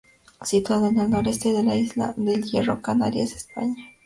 Situado en el noreste de la isla de El Hierro, Canarias, España.